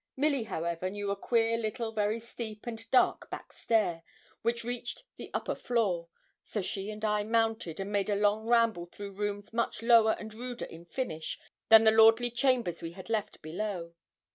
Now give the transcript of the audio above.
Milly, however, knew a queer little, very steep and dark back stair, which reached the upper floor; so she and I mounted, and made a long ramble through rooms much lower and ruder in finish than the lordly chambers we had left below.